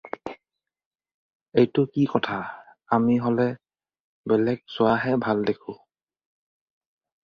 এইটো কি কথা! আমি হ'লে বেলেগ হোৱাহে ভাল দেখোঁ।